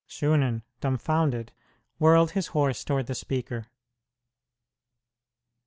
Shunan, dumfounded, whirled his horse toward the speaker.